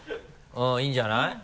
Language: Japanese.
うんいいんじゃない？